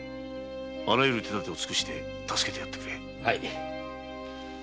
あらゆる手だてを尽くして助けてやってくれ。